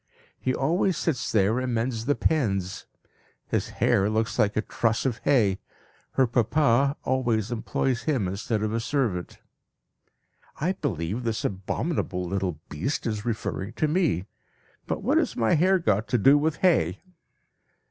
He always sits there and mends the pens. His hair looks like a truss of hay. Her papa always employs him instead of a servant." (I believe this abominable little beast is referring to me. But what has my hair got to do with hay?)